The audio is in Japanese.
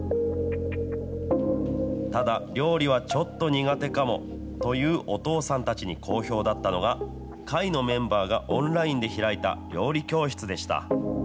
ただ、料理はちょっと苦手かもというお父さんたちに好評だったのが、会のメンバーがオンラインで開いた料理教室でした。